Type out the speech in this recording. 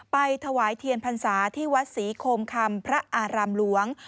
ไปถวายเทียนพรรษาที่วัดศรีโคมคำพระอารามหลวง